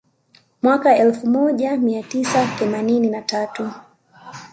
Mwaka elfu moja mia tisa themanini na tatu